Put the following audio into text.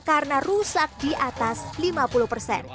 karena tidak ada uang yang bisa ditukar